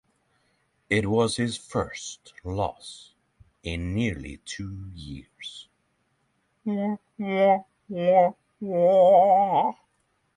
It was his first loss in nearly two years.